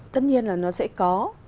tất nhiên là nó sẽ có